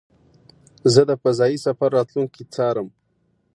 زه د فضایي سفر راتلونکی څارم.